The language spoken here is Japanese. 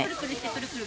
クルクル。